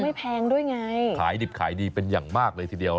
แพงด้วยไงขายดิบขายดีเป็นอย่างมากเลยทีเดียว